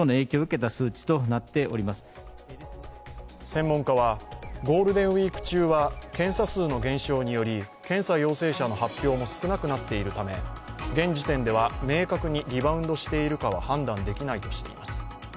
専門家はゴールデンウイーク中は検査数の減少により、検査陽性者の発表も少なくなっているため、現時点では、明確にリバウンドしているかは判断できないとしています。